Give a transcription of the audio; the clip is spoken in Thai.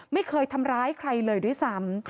ไม่เคยทำร้ายใครเลยด้วยซ้ำ